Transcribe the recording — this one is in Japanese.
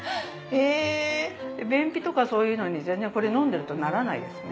便秘とかそういうのにこれ飲んでるとならないですね。